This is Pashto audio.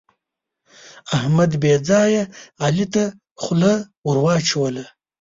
احمد بې ځایه علي ته خوله ور واچوله.